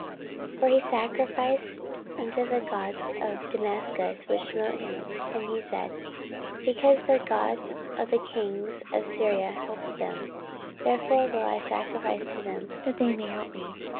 14:028:023 For he sacrificed unto the gods of Damascus, which smote him: and he said, Because the gods of the kings of Syria help them, therefore will I sacrifice to them, that they may help me.